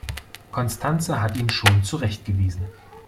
Constanze hat ihn schon zurechtgewiesen.